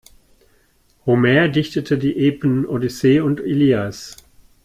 Homer dichtete die Epen-Odyssee und Ilias.